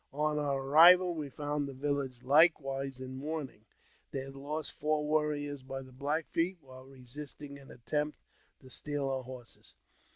On our arrival we found the village likewise in mourning. They had lost four warriors by the Black Feet while resisting an attempt to steal our horses.